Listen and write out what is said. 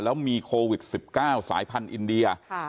แล้วมีโควิด๑๙สายพันธุ์อินเดีย